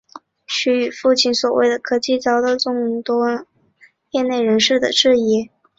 徐与其父亲的所谓科技遭到众多业内人士的质疑。